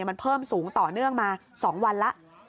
มันเพิ่มสูงต่อเนื่องมา๒วันแล้ว